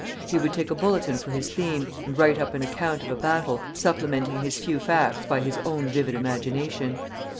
He would take a bulletin for his theme, and write up an account of a battle, supplementing his few facts by his own vivid imagination.